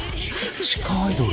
地下アイドル